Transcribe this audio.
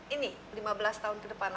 ini lima belas tahun ke depan